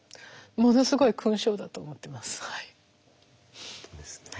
ものすごい勲章だと思ってます。